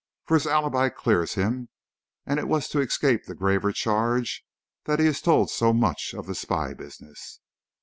For his alibi clears him and it was to escape the graver charge that he has told so much of the spy business."